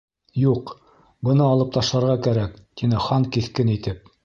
—Юҡ, быны алып ташларға кәрәк, —тине Хан киҫкен итеп.